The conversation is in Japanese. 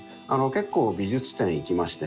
結構美術展行きましてね。